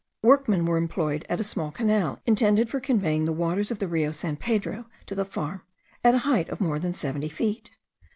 Workmen were employed at a small canal, intended for conveying the waters of the Rio San Pedro to the farm, at a height of more than seventy feet.